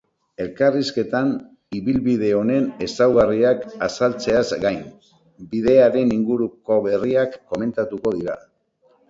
Elkarrizketan, ibilbide honen ezaugarriak azaltzeaz gain, bidearen inguruko berriak komentatuko dira.